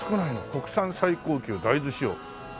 「国産最高級大豆使用」。